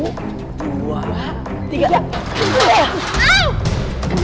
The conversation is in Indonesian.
shhh peran peran